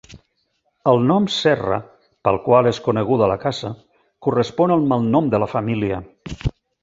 El nom Serra, pel qual és coneguda la casa, correspon al malnom de la família.